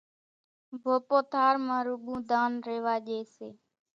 ڀوپو ٿار مان روڳون ڌان ريوا ڄي سي۔